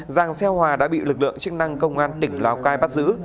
giàng xeo hòa đã bị lực lượng chức năng công an tỉnh lào cai bắt giữ